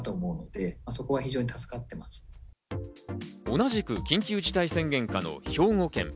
同じく緊急事態宣言下の兵庫県。